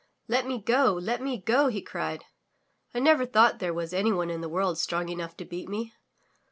"Let me go! Let me go!" he cried, "I never thought there was anyone in the world strong enough to beat me.